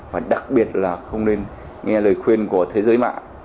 và đặc biệt là không nên nghe lời khuyên của thế giới mạng